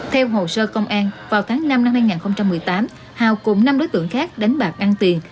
theo hồ sơ công an vào tháng năm năm hai nghìn một mươi tám hào cùng năm đối tượng khác đánh bạc ăn tiền